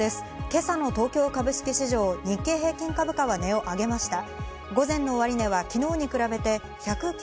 今朝の東京株式市場、日経平均株価は値を上げました。